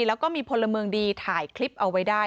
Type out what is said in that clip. แล้วก็มีพลเมืองดีถ่ายคลิปเอาไว้ได้